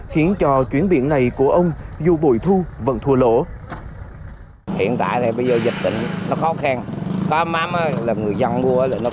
khiến cho chuyến viện này của ông dù bồi thu vẫn thua lỗ